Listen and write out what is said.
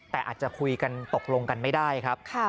แต่อาจจะคุยกันตกลงกันไม่ได้ครับ